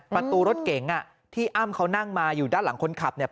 ประตูรถเก๋งที่อ้ำเขานั่งมาอยู่ด้านหลังคนขับเนี่ย